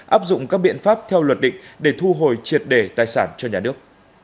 áp dụng các biện pháp theo luật định để thu hồi triệt đề tài sản cho nhà nước